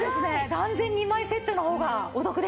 断然２枚セットの方がお得ですね。